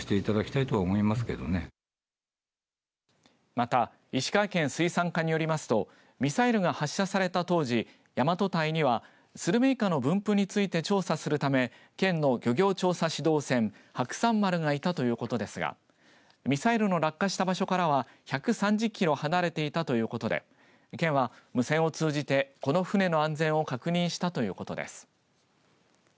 また、石川県水産課によりますとミサイルが発射された当時大和堆にはするめいかの分布について調査するため県の漁業調査指導船白山丸がいたということですがミサイルの落下した場所からは１３０キロ離れていたということで県は、無線を通じてこの船の安全を確認したということです。